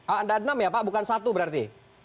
ada enam ya pak bukan satu berarti